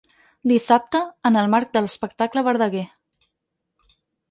Dissabte, en el marc de l’espectacle Verdaguer.